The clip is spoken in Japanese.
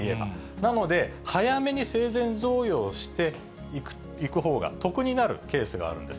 なので、早めに生前贈与をしていくほうが得になるというケースがあるんです。